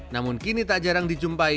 namun kini tak jarang dijumpai